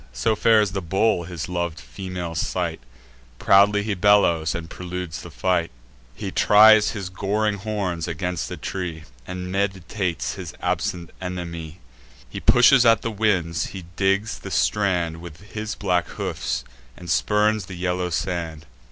So fares the bull in his lov'd female's sight: Proudly he bellows, and preludes the fight; He tries his goring horns against a tree, And meditates his absent enemy; He pushes at the winds; he digs the strand With his black hoofs, and spurns the yellow sand.